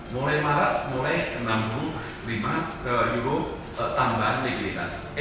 mulai maret mulai enam puluh lima euro tambahan liburitas